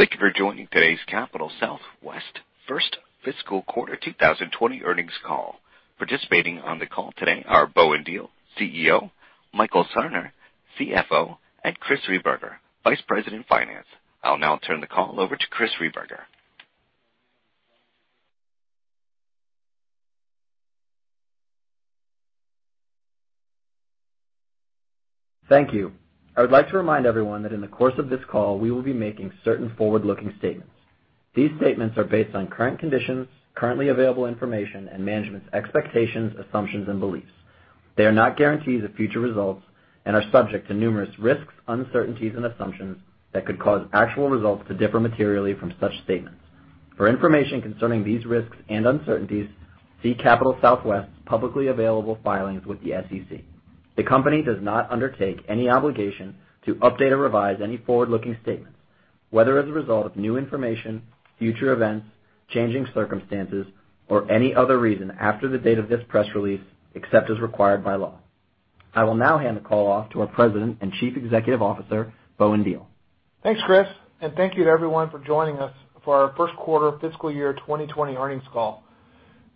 Thank you for joining today's Capital Southwest first fiscal quarter 2020 earnings call. Participating on the call today are Bowen Diehl, CEO, Michael Sarner, CFO, and Chris Rehberger, Vice President of Finance. I'll now turn the call over to Chris Rehberger. Thank you. I would like to remind everyone that in the course of this call, we will be making certain forward-looking statements. These statements are based on current conditions, currently available information and management's expectations, assumptions, and beliefs. They are not guarantees of future results and are subject to numerous risks, uncertainties and assumptions that could cause actual results to differ materially from such statements. For information concerning these risks and uncertainties, see Capital Southwest's publicly available filings with the SEC. The company does not undertake any obligation to update or revise any forward-looking statements, whether as a result of new information, future events, changing circumstances, or any other reason after the date of this press release, except as required by law. I will now hand the call off to our President and Chief Executive Officer, Bowen Diehl. Thanks, Chris, and thank you to everyone for joining us for our first quarter fiscal year 2020 earnings call.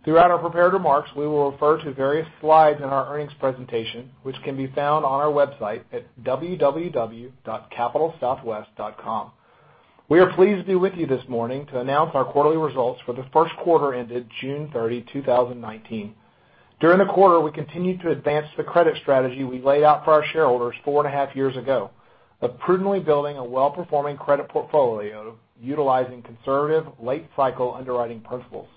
Throughout our prepared remarks, we will refer to various slides in our earnings presentation, which can be found on our website at www.capitalsouthwest.com. We are pleased to be with you this morning to announce our quarterly results for the first quarter ended June 30, 2019. During the quarter, we continued to advance the credit strategy we laid out for our shareholders four and a half years ago, of prudently building a well-performing credit portfolio utilizing conservative late cycle underwriting principles.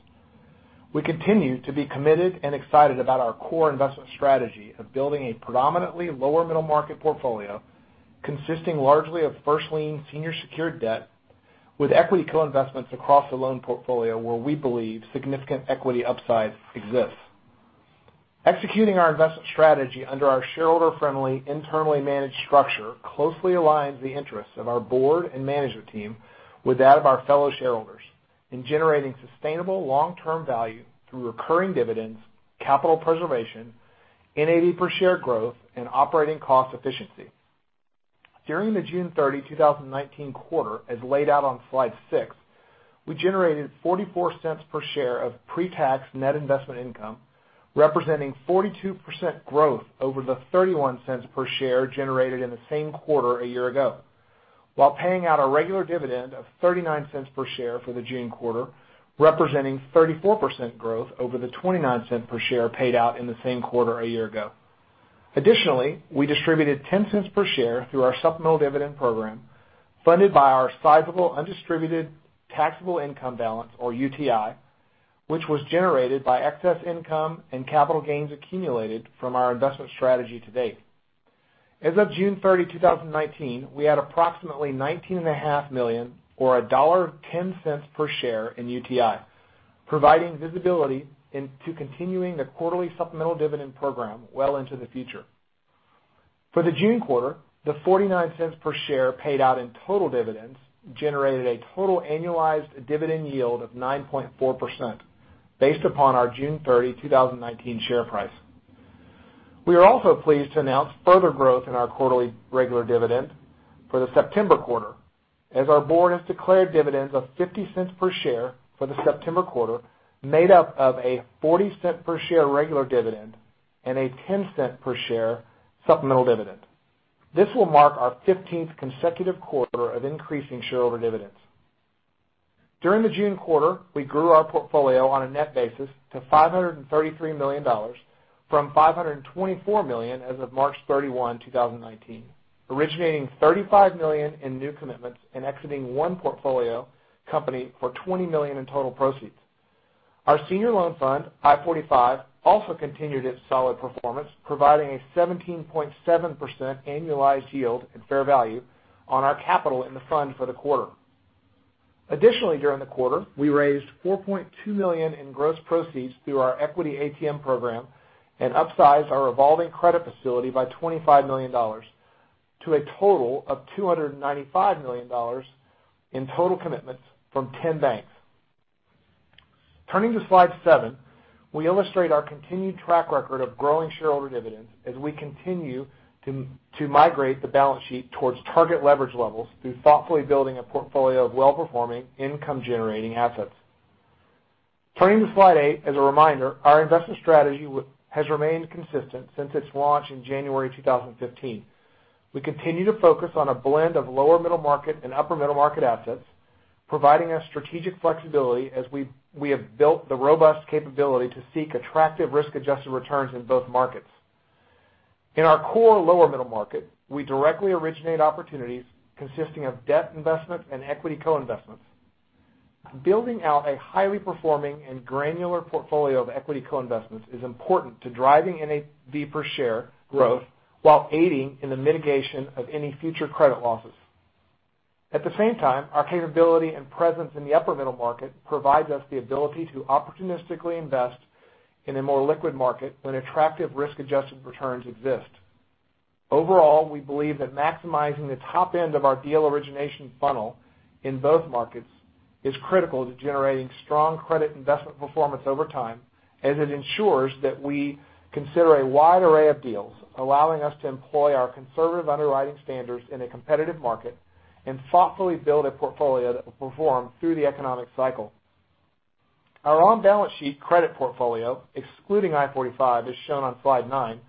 We continue to be committed and excited about our core investment strategy of building a predominantly lower middle market portfolio consisting largely of first lien senior secured debt with equity co-investments across the loan portfolio where we believe significant equity upside exists. Executing our investment strategy under our shareholder-friendly, internally managed structure closely aligns the interests of our board and management team with that of our fellow shareholders in generating sustainable long-term value through recurring dividends, capital preservation, NAV per share growth, and operating cost efficiency. During the June 30, 2019 quarter, as laid out on slide six, we generated $0.44 per share of pre-tax net investment income, representing 42% growth over the $0.31 per share generated in the same quarter a year ago, while paying out a regular dividend of $0.39 per share for the June quarter, representing 34% growth over the $0.29 per share paid out in the same quarter a year ago. We distributed $0.10 per share through our supplemental dividend program, funded by our sizable undistributed taxable income balance, or UTI, which was generated by excess income and capital gains accumulated from our investment strategy to date. As of June 30, 2019, we had approximately $19.5 million or $1.10 per share in UTI, providing visibility into continuing the quarterly supplemental dividend program well into the future. For the June quarter, the $0.49 per share paid out in total dividends generated a total annualized dividend yield of 9.4%, based upon our June 30, 2019, share price. We are also pleased to announce further growth in our quarterly regular dividend for the September quarter, as our board has declared dividends of $0.50 per share for the September quarter, made up of a $0.40 per share regular dividend and a $0.10 per share supplemental dividend. This will mark our 15th consecutive quarter of increasing shareholder dividends. During the June quarter, we grew our portfolio on a net basis to $533 million from $524 million as of March 31, 2019, originating $35 million in new commitments and exiting one portfolio company for $20 million in total proceeds. Our senior loan fund, I-45, also continued its solid performance, providing a 17.7% annualized yield in fair value on our capital in the fund for the quarter. Additionally, during the quarter, we raised $4.2 million in gross proceeds through our equity ATM program and upsized our revolving credit facility by $25 million to a total of $295 million in total commitments from 10 banks. Turning to slide seven, we illustrate our continued track record of growing shareholder dividends as we continue to migrate the balance sheet towards target leverage levels through thoughtfully building a portfolio of well-performing income-generating assets. Turning to slide eight, as a reminder, our investment strategy has remained consistent since its launch in January 2015. We continue to focus on a blend of lower middle market and upper middle market assets, providing us strategic flexibility as we have built the robust capability to seek attractive risk-adjusted returns in both markets. In our core lower middle market, we directly originate opportunities consisting of debt investments and equity co-investments. Building out a highly performing and granular portfolio of equity co-investments is important to driving NAV per share growth while aiding in the mitigation of any future credit losses. At the same time, our capability and presence in the upper middle market provides us the ability to opportunistically invest in a more liquid market when attractive risk-adjusted returns exist. Overall, we believe that maximizing the top end of our deal origination funnel in both markets is critical to generating strong credit investment performance over time, as it ensures that we consider a wide array of deals, allowing us to employ our conservative underwriting standards in a competitive market and thoughtfully build a portfolio that will perform through the economic cycle. Our on-balance sheet credit portfolio, excluding I-45, as shown on slide nine,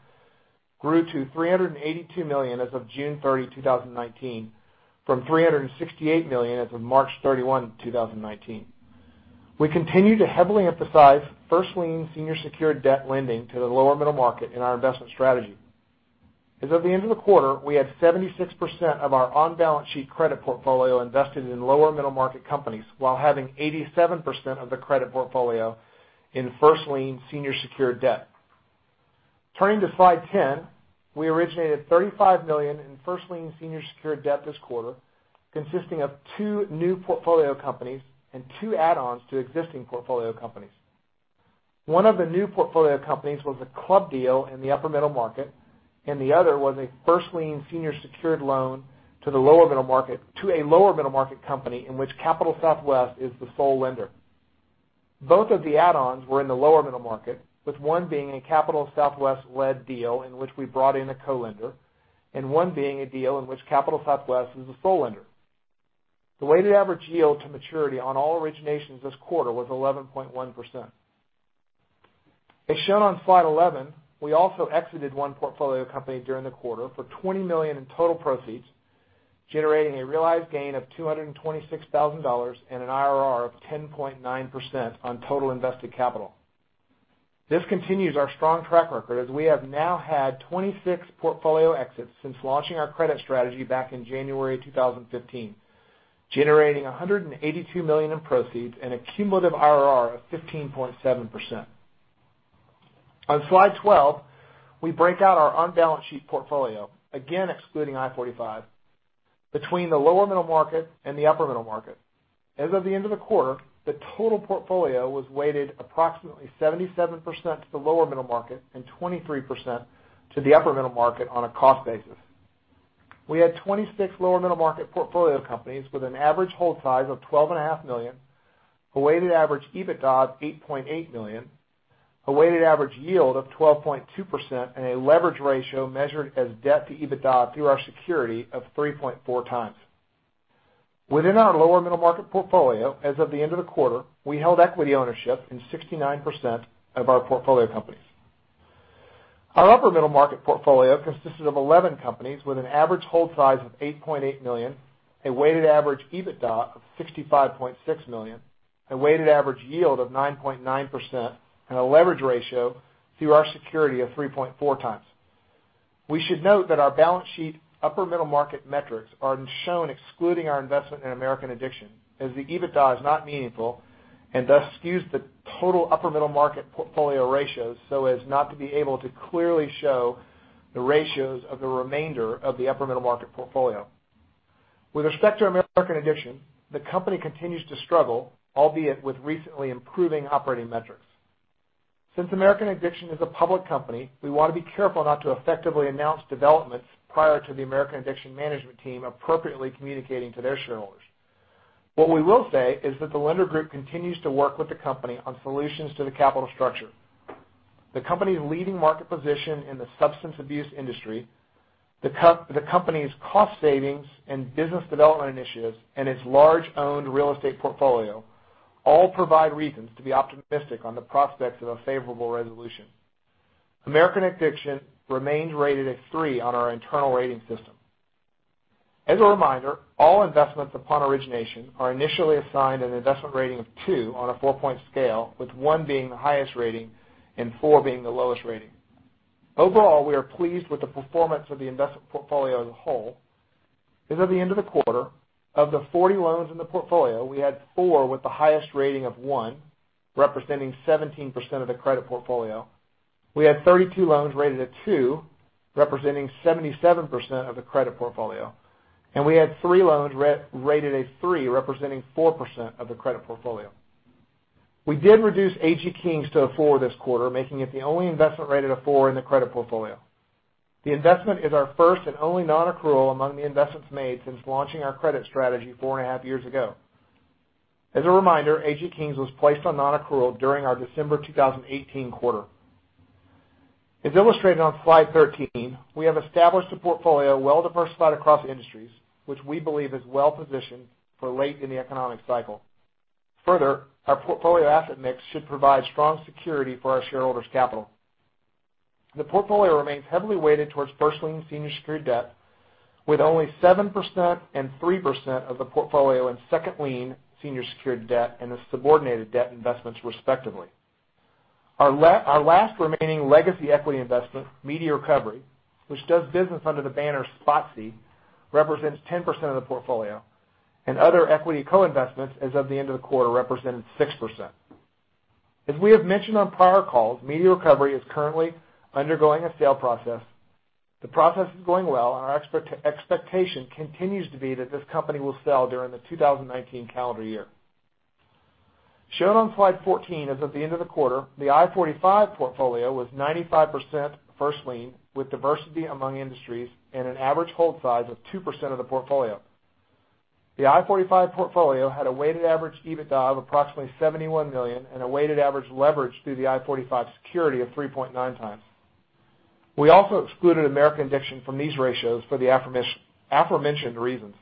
grew to $382 million as of June 30, 2019, from $368 million as of March 31, 2019. We continue to heavily emphasize first lien senior secured debt lending to the lower middle market in our investment strategy. As of the end of the quarter, we had 76% of our on-balance sheet credit portfolio invested in lower middle market companies, while having 87% of the credit portfolio in first lien senior secured debt. Turning to slide 10, we originated $35 million in first lien senior secured debt this quarter, consisting of two new portfolio companies and two add-ons to existing portfolio companies. One of the new portfolio companies was a club deal in the upper middle market, and the other was a first lien senior secured loan to a lower middle market company in which Capital Southwest is the sole lender. Both of the add-ons were in the lower middle market, with one being a Capital Southwest-led deal in which we brought in a co-lender, and one being a deal in which Capital Southwest is the sole lender. The weighted average yield to maturity on all originations this quarter was 11.1%. As shown on slide 11, we also exited one portfolio company during the quarter for $20 million in total proceeds, generating a realized gain of $226,000 and an IRR of 10.9% on total invested capital. This continues our strong track record, as we have now had 26 portfolio exits since launching our credit strategy back in January 2015, generating $182 million in proceeds and a cumulative IRR of 15.7%. On slide 12, we break out our on-balance sheet portfolio, again excluding I-45, between the lower middle market and the upper middle market. As of the end of the quarter, the total portfolio was weighted approximately 77% to the lower middle market and 23% to the upper middle market on a cost basis. We had 26 lower middle market portfolio companies with an average hold size of $12.5 million, a weighted average EBITDA of $8.8 million, a weighted average yield of 12.2%, and a leverage ratio measured as debt to EBITDA through our security of 3.4 times. Within our lower middle market portfolio, as of the end of the quarter, we held equity ownership in 69% of our portfolio companies. Our upper middle market portfolio consisted of 11 companies with an average hold size of $8.8 million, a weighted average EBITDA of $65.6 million, a weighted average yield of 9.9%, and a leverage ratio through our security of 3.4 times. We should note that our balance sheet upper middle market metrics are shown excluding our investment in American Addiction, as the EBITDA is not meaningful and thus skews the total upper middle market portfolio ratios so as not to be able to clearly show the ratios of the remainder of the upper middle market portfolio. With respect to American Addiction, the company continues to struggle, albeit with recently improving operating metrics. Since American Addiction is a public company, we want to be careful not to effectively announce developments prior to the American Addiction management team appropriately communicating to their shareholders. What we will say is that the lender group continues to work with the company on solutions to the capital structure. The company's leading market position in the substance abuse industry, the company's cost savings and business development initiatives, and its large owned real estate portfolio all provide reasons to be optimistic on the prospects of a favorable resolution. American Addiction remains rated a three on our internal rating system. As a reminder, all investments upon origination are initially assigned an investment rating of two on a four-point scale, with one being the highest rating and four being the lowest rating. Overall, we are pleased with the performance of the investment portfolio as a whole, as at the end of the quarter, of the 40 loans in the portfolio, we had four with the highest rating of one, representing 17% of the credit portfolio. We had 32 loans rated at two, representing 77% of the credit portfolio. We had three loans rated a three, representing 4% of the credit portfolio. We did reduce Agri-King to a 4 this quarter, making it the only investment rated a 4 in the credit portfolio. The investment is our first and only non-accrual among the investments made since launching our credit strategy four and a half years ago. As a reminder, Agri-King was placed on non-accrual during our December 2018 quarter. As illustrated on slide 13, we have established a portfolio well-diversified across industries, which we believe is well-positioned for late in the economic cycle. Further, our portfolio asset mix should provide strong security for our shareholders' capital. The portfolio remains heavily weighted towards first lien senior secured debt, with only 7% and 3% of the portfolio in second lien senior secured debt and the subordinated debt investments respectively. Our last remaining legacy equity investment, Media Recovery, which does business under the banner SpotSee, represents 10% of the portfolio, and other equity co-investments as of the end of the quarter represented 6%. As we have mentioned on prior calls, Media Recovery is currently undergoing a sale process. The process is going well, and our expectation continues to be that this company will sell during the 2019 calendar year. Shown on slide 14 is at the end of the quarter, the I-45 portfolio was 95% first lien, with diversity among industries and an average hold size of 2% of the portfolio. The I-45 portfolio had a weighted average EBITDA of approximately $71 million and a weighted average leverage through the I-45 security of 3.9 times. We also excluded American Addiction from these ratios for the aforementioned reasons.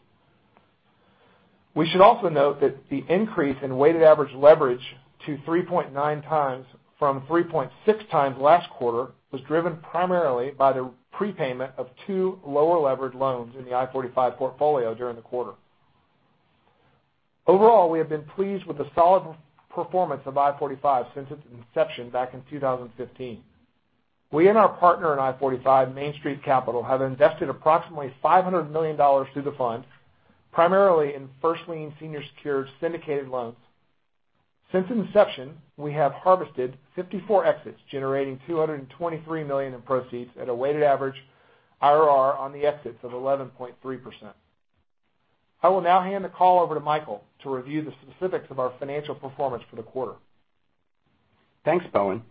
We should also note that the increase in weighted average leverage to 3.9 times from 3.6 times last quarter was driven primarily by the prepayment of two lower leverage loans in the I-45 portfolio during the quarter. Overall, we have been pleased with the solid performance of I-45 since its inception back in 2015. We and our partner in I-45, Main Street Capital, have invested approximately $500 million through the fund, primarily in first lien senior secured syndicated loans. Since inception, we have harvested 54 exits, generating $223 million in proceeds at a weighted average IRR on the exits of 11.3%. I will now hand the call over to Michael to review the specifics of our financial performance for the quarter. Thanks, Bowen.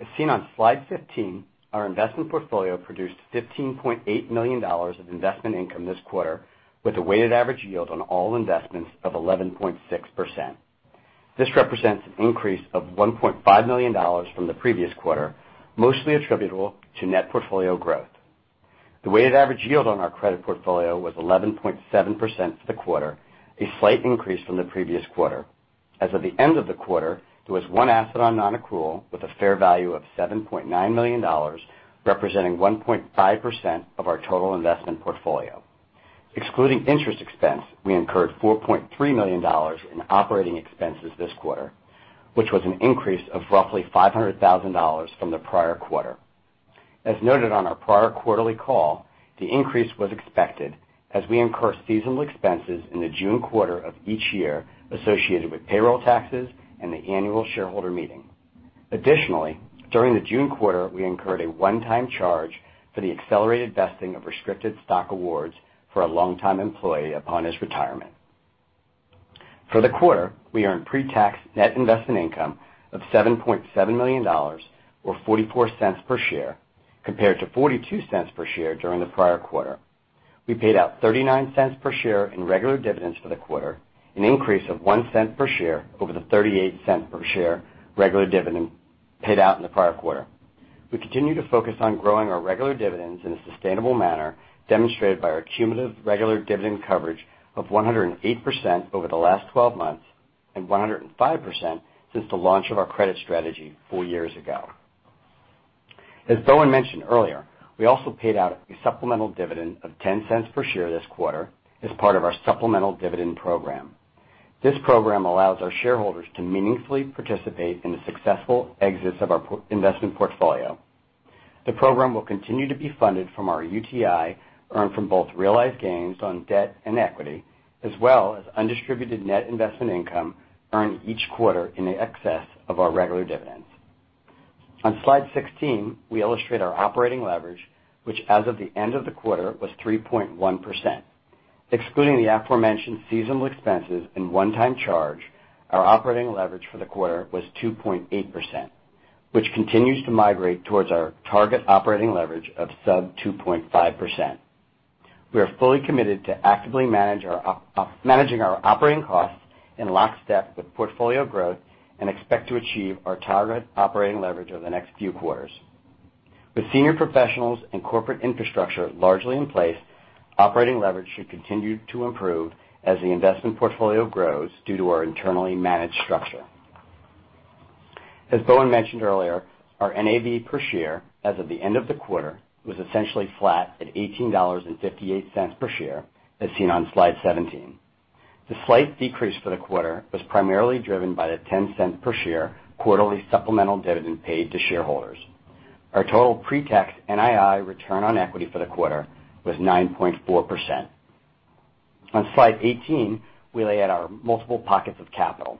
As seen on slide 15, our investment portfolio produced $15.8 million of investment income this quarter, with a weighted average yield on all investments of 11.6%. This represents an increase of $1.5 million from the previous quarter, mostly attributable to net portfolio growth. The weighted average yield on our credit portfolio was 11.7% for the quarter, a slight increase from the previous quarter. As of the end of the quarter, there was one asset on non-accrual with a fair value of $7.9 million, representing 1.5% of our total investment portfolio. Excluding interest expense, we incurred $4.3 million in operating expenses this quarter, which was an increase of roughly $500,000 from the prior quarter. As noted on our prior quarterly call, the increase was expected as we incur seasonal expenses in the June quarter of each year associated with payroll taxes and the annual shareholder meeting. Additionally, during the June quarter, we incurred a one-time charge for the accelerated vesting of restricted stock awards for a longtime employee upon his retirement. For the quarter, we earned pre-tax net investment income of $7.7 million, or $0.44 per share, compared to $0.42 per share during the prior quarter. We paid out $0.39 per share in regular dividends for the quarter, an increase of $0.01 per share over the $0.38 per share regular dividend paid out in the prior quarter. We continue to focus on growing our regular dividends in a sustainable manner, demonstrated by our cumulative regular dividend coverage of 108% over the last 12 months and 105% since the launch of our credit strategy four years ago. As Bowen mentioned earlier, we also paid out a supplemental dividend of $0.10 per share this quarter as part of our supplemental dividend program. This program allows our shareholders to meaningfully participate in the successful exits of our investment portfolio. The program will continue to be funded from our UTI, earned from both realized gains on debt and equity, as well as undistributed net investment income earned each quarter in excess of our regular dividends. On slide 16, we illustrate our operating leverage, which as of the end of the quarter was 3.1%, excluding the aforementioned seasonal expenses and one-time charge, our operating leverage for the quarter was 2.8%, which continues to migrate towards our target operating leverage of sub 2.5%. We are fully committed to actively managing our operating costs in lockstep with portfolio growth and expect to achieve our target operating leverage over the next few quarters. With senior professionals and corporate infrastructure largely in place, operating leverage should continue to improve as the investment portfolio grows due to our internally managed structure. As Bowen mentioned earlier, our NAV per share as of the end of the quarter was essentially flat at $18.58 per share, as seen on slide 17. The slight decrease for the quarter was primarily driven by the $0.10 per share quarterly supplemental dividend paid to shareholders. Our total pre-tax NII return on equity for the quarter was 9.4%. On slide 18, we lay out our multiple pockets of capital.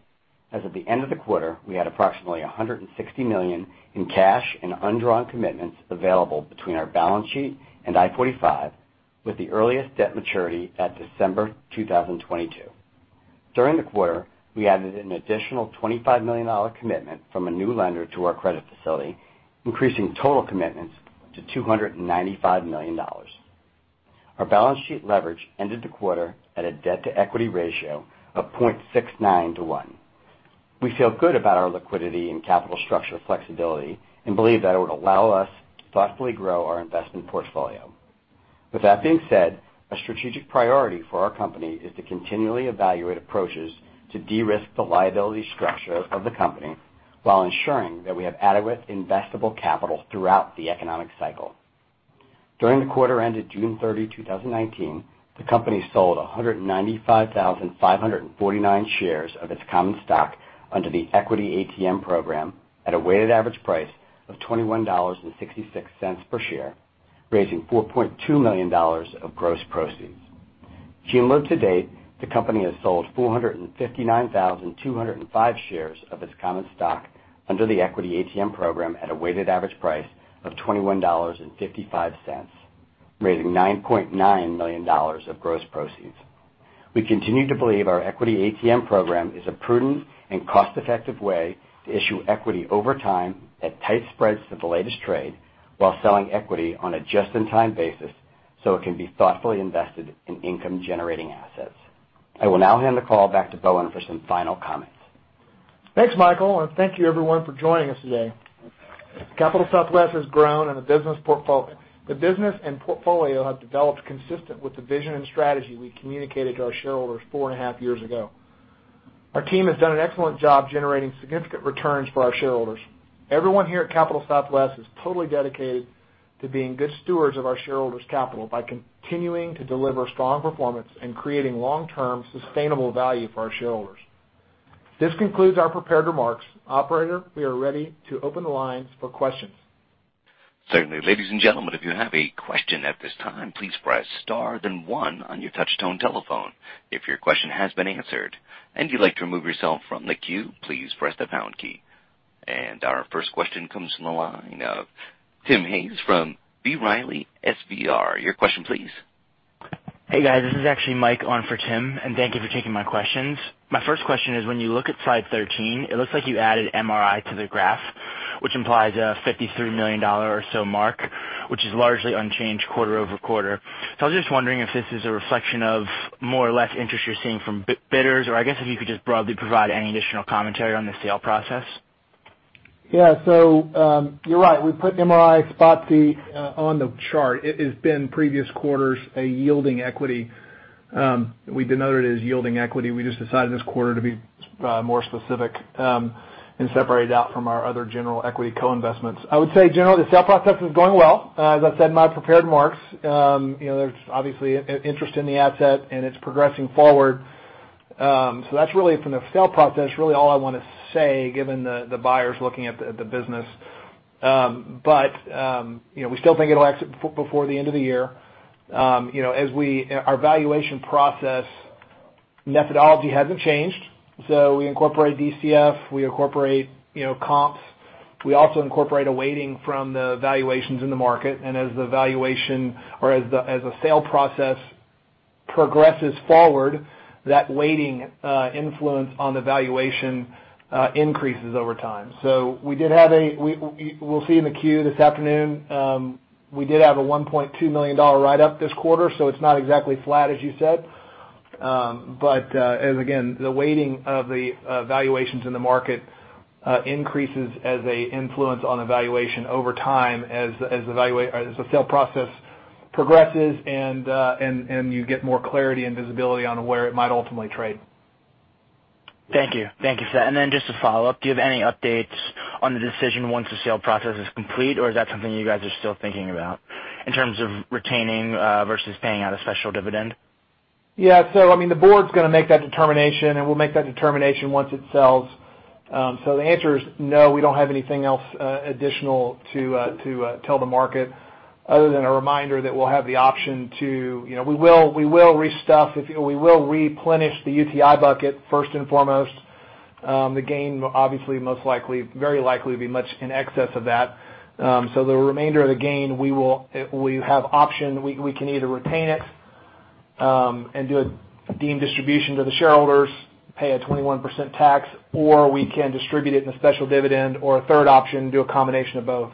As of the end of the quarter, we had approximately $160 million in cash and undrawn commitments available between our balance sheet and I-45, with the earliest debt maturity at December 2022. During the quarter, we added an additional $25 million commitment from a new lender to our credit facility, increasing total commitments to $295 million. Our balance sheet leverage ended the quarter at a debt-to-equity ratio of 0.69 to one. We feel good about our liquidity and capital structure flexibility and believe that it would allow us to thoughtfully grow our investment portfolio. With that being said, a strategic priority for our company is to continually evaluate approaches to de-risk the liability structure of the company while ensuring that we have adequate investable capital throughout the economic cycle. During the quarter ended June 30, 2019, the company sold 195,549 shares of its common stock under the equity ATM program at a weighted average price of $21.66 per share, raising $4.2 million of gross proceeds. Cumulative to date, the company has sold 459,205 shares of its common stock under the equity ATM program at a weighted average price of $21.55. Raising $9.9 million of gross proceeds. We continue to believe our equity ATM program is a prudent and cost-effective way to issue equity over time at tight spreads to the latest trade, while selling equity on a just-in-time basis so it can be thoughtfully invested in income-generating assets. I will now hand the call back to Bowen for some final comments. Thanks, Michael, and thank you everyone for joining us today. Capital Southwest has grown and the business and portfolio have developed consistent with the vision and strategy we communicated to our shareholders four and a half years ago. Our team has done an excellent job generating significant returns for our shareholders. Everyone here at Capital Southwest is totally dedicated to being good stewards of our shareholders' capital by continuing to deliver strong performance and creating long-term sustainable value for our shareholders. This concludes our prepared remarks. Operator, we are ready to open the lines for questions. Certainly. Ladies and gentlemen, if you have a question at this time, please press star then one on your touch-tone telephone. If your question has been answered and you'd like to remove yourself from the queue, please press the pound key. Our first question comes from the line of Tim Hayes from B. Riley FBR. Your question, please. Hey, guys. This is actually Mike on for Tim, and thank you for taking my questions. My first question is, when you look at slide 13, it looks like you added MRI to the graph, which implies a $53 million or so mark, which is largely unchanged quarter-over-quarter. I was just wondering if this is a reflection of more or less interest you're seeing from bidders, or I guess if you could just broadly provide any additional commentary on the sale process. Yeah. You're right. We put MRI spots on the chart. It has been previous quarters, a yielding equity. We denoted it as yielding equity. We just decided this quarter to be more specific and separate it out from our other general equity co-investments. I would say generally the sale process is going well. As I said in my prepared remarks, there's obviously interest in the asset and it's progressing forward. That's really from the sale process, really all I want to say, given the buyers looking at the business. We still think it'll exit before the end of the year. Our valuation process methodology hasn't changed. We incorporate DCF, we incorporate comps. We also incorporate a weighting from the valuations in the market, and as the valuation or as the sale process progresses forward, that weighting influence on the valuation increases over time. we'll see in the queue this afternoon, we did have a $1.2 million write-up this quarter, so it's not exactly flat, as you said. as again, the weighting of the valuations in the market increases as an influence on the valuation over time, as the sale process progresses and you get more clarity and visibility on where it might ultimately trade. Thank you. Thank you for that. just a follow-up, do you have any updates on the decision once the sale process is complete, or is that something you guys are still thinking about in terms of retaining versus paying out a special dividend? Yeah. The board's going to make that determination, and we'll make that determination once it sells. The answer is no, we don't have anything else additional to tell the market other than a reminder that we'll have the option to replenish the UTI bucket, first and foremost. The gain obviously very likely will be much in excess of that. The remainder of the gain, we have option, we can either retain it and do a deemed distribution to the shareholders, pay a 21% tax, or we can distribute it in a special dividend, or a third option, do a combination of both.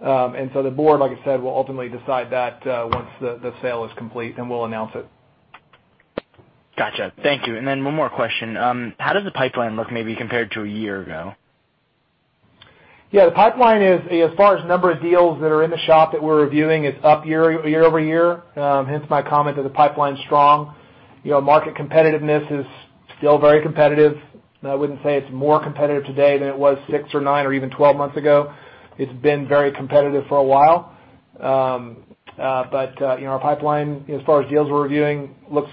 The board, like I said, will ultimately decide that once the sale is complete, and we'll announce it. Got you. Thank you. one more question. How does the pipeline look maybe compared to a year ago? Yeah. The pipeline is, as far as number of deals that are in the shop that we're reviewing, is up year-over-year. Hence my comment that the pipeline's strong. Market competitiveness is still very competitive. I wouldn't say it's more competitive today than it was six or nine or even 12 months ago. It's been very competitive for a while. Our pipeline, as far as deals we're reviewing, looks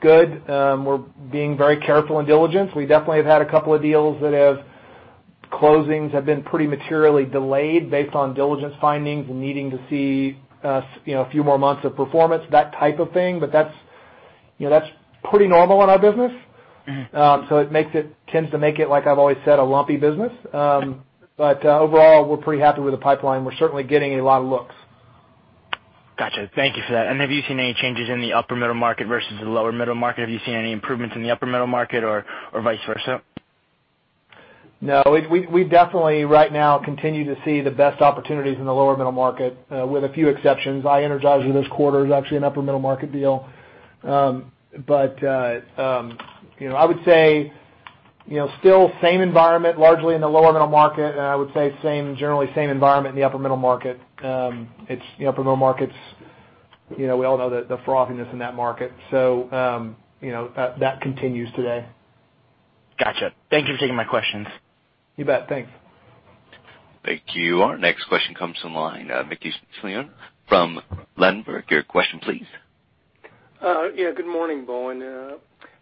good. We're being very careful in diligence. We definitely have had a couple of deals that have closings have been pretty materially delayed based on diligence findings and needing to see a few more months of performance, that type of thing. That's pretty normal in our business. It tends to make it, like I've always said, a lumpy business. Overall, we're pretty happy with the pipeline. We're certainly getting a lot of looks. Got you. Thank you for that. Have you seen any changes in the upper middle market versus the lower middle market? Have you seen any improvements in the upper middle market or vice versa? No. We definitely right now continue to see the best opportunities in the lower middle market with a few exceptions. iEnergizer this quarter is actually an upper middle market deal. I would say still same environment largely in the lower middle market, and I would say generally same environment in the upper middle market. The upper middle markets, we all know the frothiness in that market. That continues today. Got you. Thank you for taking my questions. You bet. Thanks. Thank you. Our next question comes from the line. Mickey Schleien from Ladenburg. Your question, please. Yeah. Good morning, Bowen.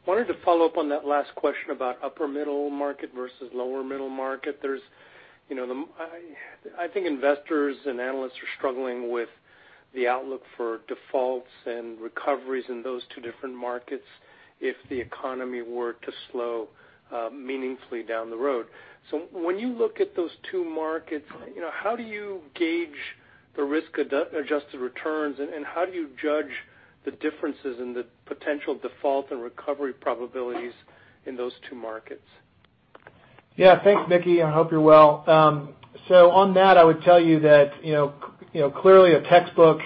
Wanted to follow up on that last question about upper middle market versus lower middle market. I think investors and analysts are struggling with the outlook for defaults and recoveries in those two different markets if the economy were to slow meaningfully down the road. When you look at those two markets, how do you gauge the risk-adjusted returns, and how do you judge the differences in the potential default and recovery probabilities in those two markets? Yeah. Thanks, Mickey. I hope you're well. On that, I would tell you that, clearly a textbook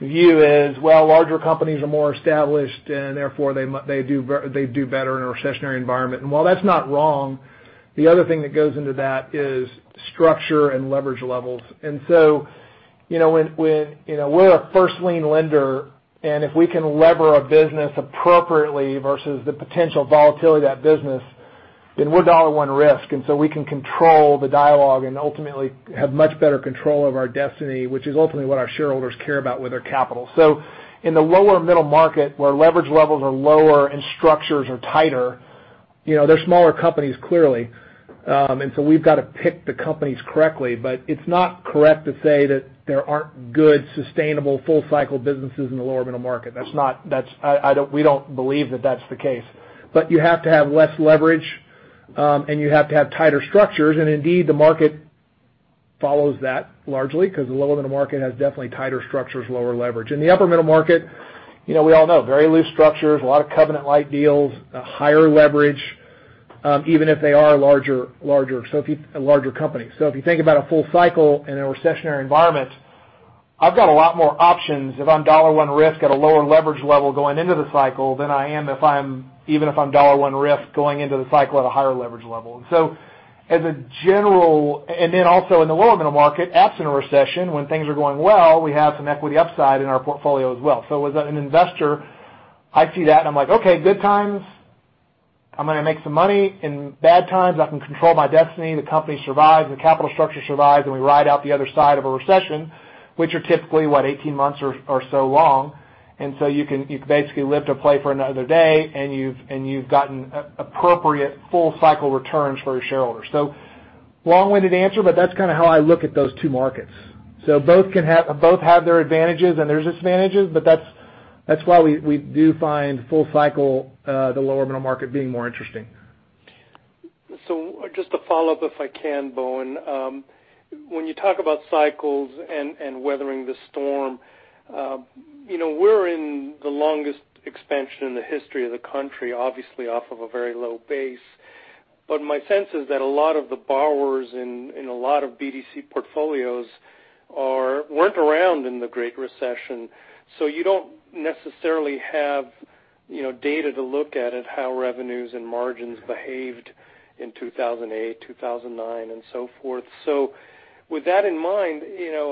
view is, well, larger companies are more established, and therefore, they do better in a recessionary environment. While that's not wrong, the other thing that goes into that is structure and leverage levels. We're a first lien lender, and if we can lever a business appropriately versus the potential volatility of that business, then we're dollar one risk. We can control the dialogue and ultimately have much better control over our destiny, which is ultimately what our shareholders care about with their capital. In the lower middle market, where leverage levels are lower and structures are tighter, they're smaller companies, clearly. We've got to pick the companies correctly. it's not correct to say that there aren't good, sustainable, full-cycle businesses in the lower middle market. We don't believe that that's the case. you have to have less leverage, and you have to have tighter structures. indeed, the market follows that largely because the lower middle market has definitely tighter structures, lower leverage. In the upper middle market, we all know, very loose structures, a lot of covenant-light deals, a higher leverage, even if they are larger companies. if you think about a full cycle in a recessionary environment, I've got a lot more options if I'm dollar one risk at a lower leverage level going into the cycle than I am even if I'm dollar one risk going into the cycle at a higher leverage level. also in the lower middle market, absent a recession, when things are going well, we have some equity upside in our portfolio as well. as an investor, I see that and I'm like, "Okay, good times, I'm going to make some money. In bad times, I can control my destiny. The company survives, the capital structure survives, and we ride out the other side of a recession," which are typically, what, 18 months or so long. you can basically live to play for another day, and you've gotten appropriate full cycle returns for your shareholders. long-winded answer, but that's kind of how I look at those two markets. both have their advantages and their disadvantages, but that's why we do find full cycle, the lower middle market being more interesting. Just to follow up, if I can, Bowen. When you talk about cycles and weathering the storm, we're in the longest expansion in the history of the country, obviously off of a very low base. My sense is that a lot of the borrowers in a lot of BDC portfolios weren't around in the Great Recession. You don't necessarily have data to look at how revenues and margins behaved in 2008, 2009, and so forth. With that in mind,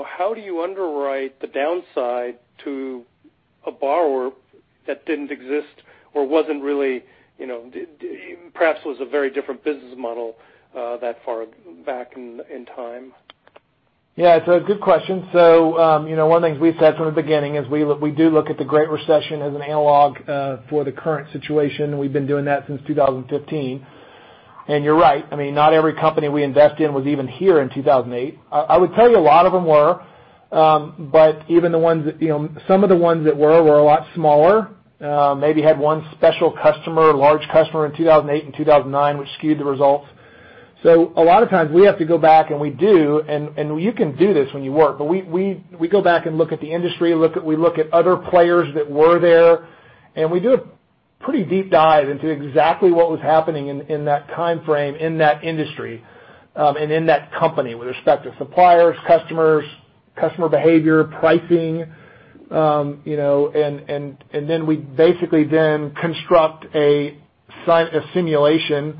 how do you underwrite the downside to a borrower that didn't exist or perhaps was a very different business model that far back in time? Yeah. It's a good question. One of the things we've said from the beginning is we do look at the Great Recession as an analog for the current situation. We've been doing that since 2015. You're right. Not every company we invest in was even here in 2008. I would tell you a lot of them were. Some of the ones that were a lot smaller, maybe had one special customer, large customer in 2008 and 2009, which skewed the results. A lot of times we have to go back, and we do, and you can do this when you work. We go back and look at the industry. We look at other players that were there, and we do a pretty deep dive into exactly what was happening in that timeframe in that industry, and in that company with respect to suppliers, customers, customer behavior, pricing. we basically then construct a simulation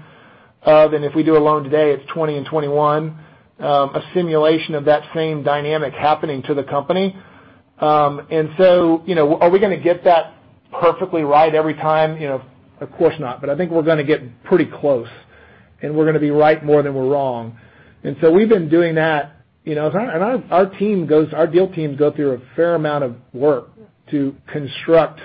of, and if we do a loan today, it's 2020 and 2021, a simulation of that same dynamic happening to the company. are we going to get that perfectly right every time? Of course not. I think we're going to get pretty close, and we're going to be right more than we're wrong. we've been doing that. Our deal teams go through a fair amount of work to construct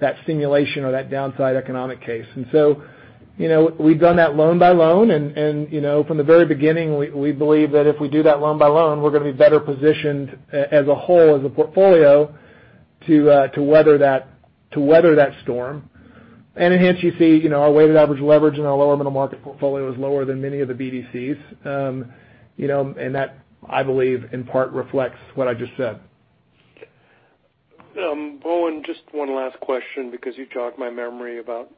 that simulation or that downside economic case. we've done that loan by loan, and from the very beginning, we believe that if we do that loan by loan, we're going to be better positioned as a whole, as a portfolio to weather that storm. Hence you see our weighted average leverage in our lower middle market portfolio is lower than many of the BDCs. That, I believe, in part reflects what I just said. Bowen, just one last question because you jogged my memory about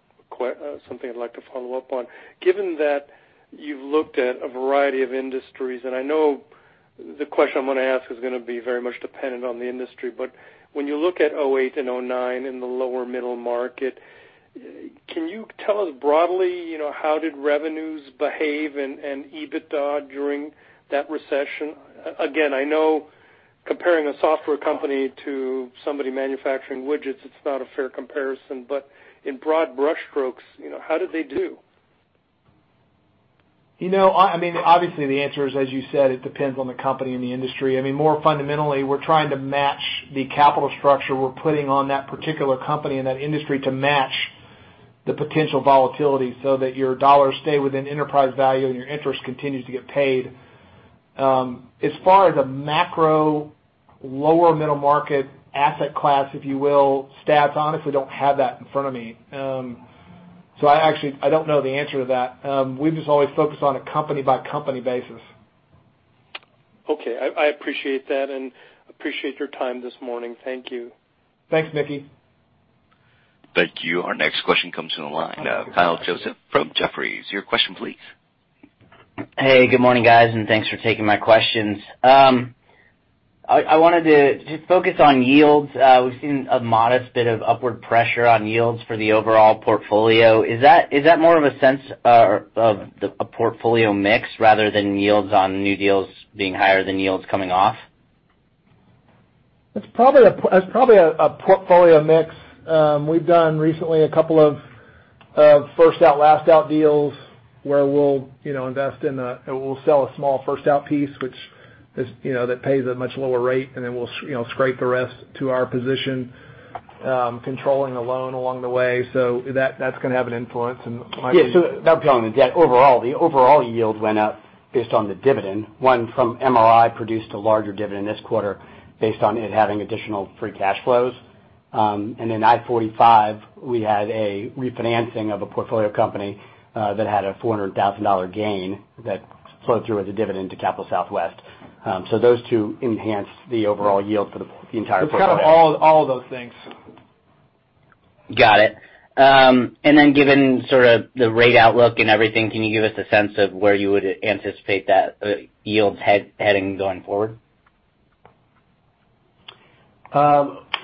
something I'd like to follow up on. Given that you've looked at a variety of industries, and I know the question I'm going to ask is going to be very much dependent on the industry, but when you look at '08 and '09 in the lower middle market, can you tell us broadly how did revenues behave and EBITDA during that recession? Again, I know comparing a software company to somebody manufacturing widgets, it's not a fair comparison. In broad brush strokes, how did they do? Obviously the answer is, as you said, it depends on the company and the industry. More fundamentally, we're trying to match the capital structure we're putting on that particular company and that industry to match the potential volatility so that your dollars stay within enterprise value and your interest continues to get paid. As far as a macro lower middle market asset class, if you will, stats, I honestly don't have that in front of me. I actually don't know the answer to that. We just always focus on a company-by-company basis. Okay. I appreciate that and appreciate your time this morning. Thank you. Thanks, Mickey. Thank you. Our next question comes from the line of Kyle Joseph from Jefferies. Your question please. Hey, good morning, guys, and thanks for taking my questions. I wanted to just focus on yields. We've seen a modest bit of upward pressure on yields for the overall portfolio. Is that more of a sense of the portfolio mix rather than yields on new deals being higher than yields coming off? It's probably a portfolio mix. We've done recently a couple of first-out, last-out deals where we'll sell a small first-out piece, which pays a much lower rate, and then we'll scrape the rest to our position, controlling the loan along the way. That's going to have an influence and might be- Yeah. Without drawing on the debt overall, the overall yield went up based on the dividend. One from MRI produced a larger dividend this quarter based on it having additional free cash flows. In I-45, we had a refinancing of a portfolio company, that had a $400,000 gain that flowed through as a dividend to Capital Southwest. Those two enhanced the overall yield for the entire portfolio. It's kind of all of those things. Got it. Given sort of the rate outlook and everything, can you give us a sense of where you would anticipate that yield heading going forward?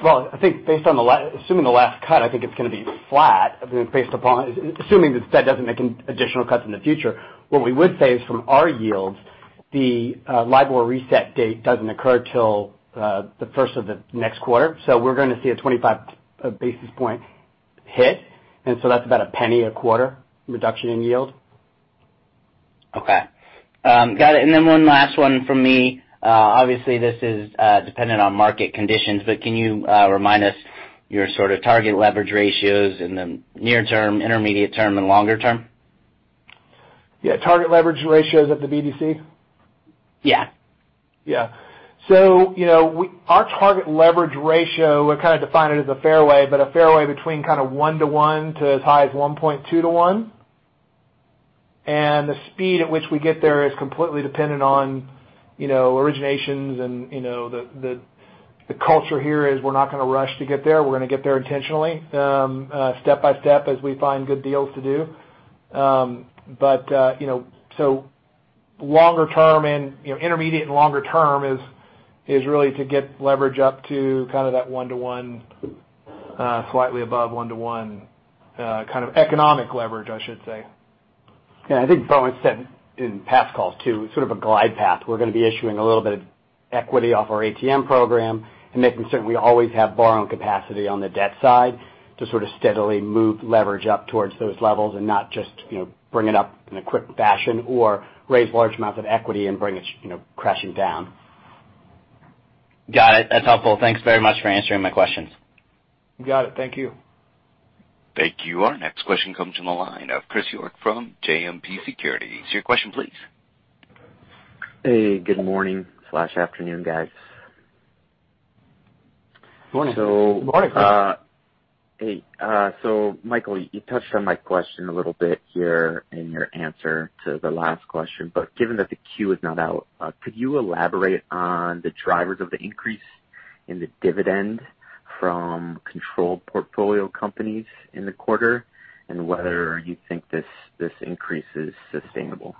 Well, I think assuming the last cut, I think it's going to be flat, assuming the Fed doesn't make additional cuts in the future. What we would say is from our yields, the LIBOR reset date doesn't occur till the first of the next quarter. We're going to see a 25 basis point hit, and so that's about a penny a quarter reduction in yield. Okay. Got it. One last one from me. Obviously, this is dependent on market conditions, but can you remind us your sort of target leverage ratios in the near term, intermediate term, and longer term? Yeah. Target leverage ratios at the BDC? Yeah. Yeah. Our target leverage ratio, we kind of define it as a fairway, but a fairway between kind of one to one, to as high as 1.2 to one. The speed at which we get there is completely dependent on originations and the culture here is we're not going to rush to get there. We're going to get there intentionally, step-by-step, as we find good deals to do. Longer term and intermediate and longer term is really to get leverage up to kind of that one to one, slightly above one to one, kind of economic leverage, I should say. Yeah, I think Bowen said in past calls too, sort of a glide path. We're going to be issuing a little bit of equity off our ATM program and making certain we always have borrowing capacity on the debt side to sort of steadily move leverage up towards those levels and not just bring it up in a quick fashion or raise large amounts of equity and bring it crashing down. Got it. That's helpful. Thanks very much for answering my questions. You got it. Thank you. Thank you. Our next question comes from the line of Chris York from JMP Securities. Your question please. Hey, good morning/afternoon, guys. Morning. Morning, Chris. Hey. Michael, you touched on my question a little bit here in your answer to the last question. Given that the Q is not out, could you elaborate on the drivers of the increase in the dividend from controlled portfolio companies in the quarter and whether you think this increase is sustainable?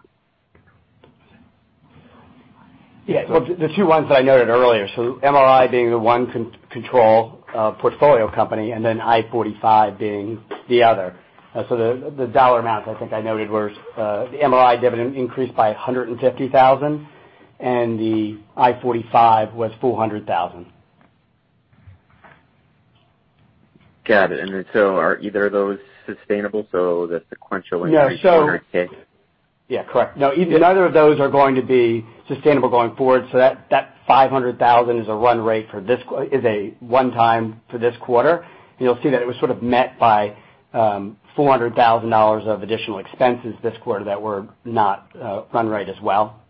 Yeah. The two ones that I noted earlier, so MRI being the one control portfolio company and then I-45 being the other. The dollar amounts I think I noted were the MRI dividend increased by $150,000 and the I-45 was $400,000. Got it. are either of those sustainable, so the sequential increase quarter tick? Yeah. Correct. No, neither of those are going to be sustainable going forward. That $500,000 is a one-time for this quarter. You'll see that it was sort of met by $400,000 of additional expenses this quarter that were not run rate as well.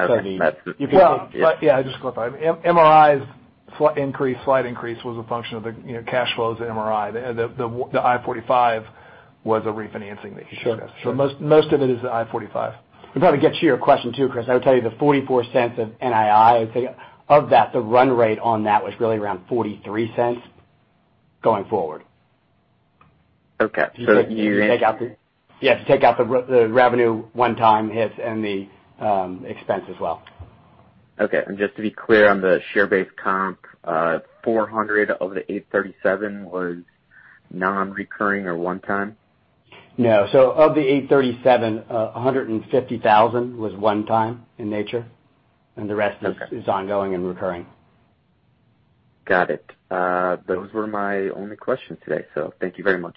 Okay. Yeah. Just to clarify. MRI's slight increase was a function of the cash flows at MRI. The I-45 was a refinancing that you suggested. Sure. Most of it is the I-45. Probably gets you to your question too, Chris. I would tell you the $0.44 of NII, I would say of that, the run rate on that was really around $0.43 going forward. Okay. Yeah, if you take out the revenue one time hits and the expense as well. Okay. Just to be clear on the share-based comp, $400,000 of the $837,000 was non-recurring or one time? No. of the $837,000, $150,000 was one time in nature and the rest is- Okay ongoing and recurring. Got it. Those were my only questions today, so thank you very much.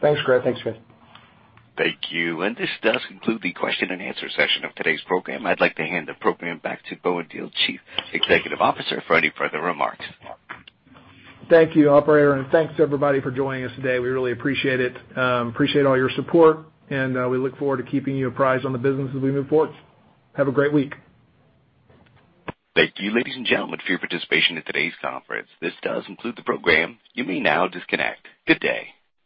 Thanks, Chris. Thanks, Chris. Thank you. This does conclude the question and answer session of today's program. I'd like to hand the program back to Bowen Diehl, Chief Executive Officer, for any further remarks. Thank you, operator, and thanks everybody for joining us today. We really appreciate it. Appreciate all your support, and we look forward to keeping you apprised on the business as we move forward. Have a great week. Thank you, ladies and gentlemen, for your participation in today's conference. This does conclude the program. You may now disconnect. Good day.